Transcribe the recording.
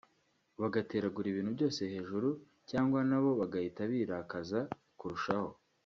bagateragura ibintu byose hejuru cyangwa nabo bagahita birakaza kurushaho